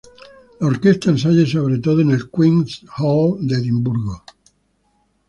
La orquesta ensaya sobre todo en el Queens Hall de Edimburgo.